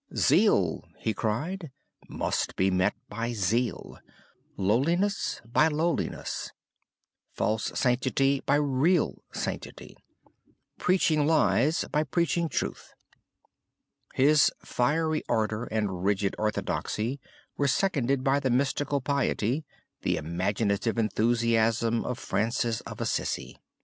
'Zeal,' he cried, 'must be met by zeal, lowliness by lowliness, false sanctity by real sanctity, preaching lies by preaching truth.' His fiery ardor and rigid orthodoxy were seconded by the mystical piety, the imaginative enthusiasm of Francis of Assisi.